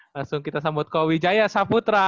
langsung kita sambut ke wijaya saputra